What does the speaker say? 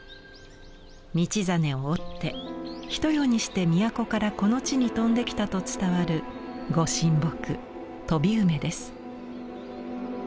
道真を追ってひと夜にして都からこの地に飛んできたと伝わる御神木